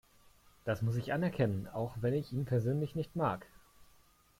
Das muss ich anerkennen, auch wenn ich ihn persönlich nicht mag.